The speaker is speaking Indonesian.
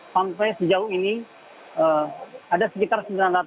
sampai sejauh ini ada sekitar sembilan ratus